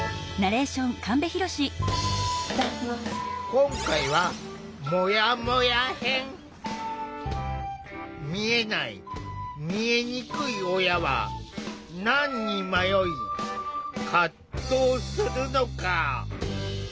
今回は見えない見えにくい親は何に迷い葛藤するのか。